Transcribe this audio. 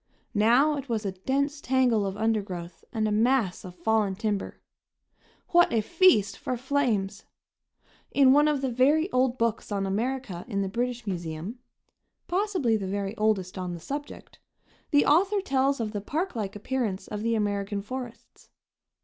Now it was a dense tangle of undergrowth and a mass of fallen timber. What a feast for flames! In one of the very old books on America in the British Museum possibly the very oldest on the subject the author tells of the park like appearance of the American forests.